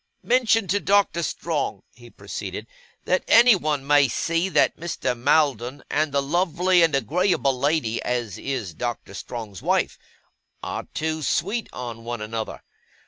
' mentioned to Doctor Strong,' he proceeded, 'that anyone may see that Mr. Maldon, and the lovely and agreeable lady as is Doctor Strong's wife, are too sweet on one another.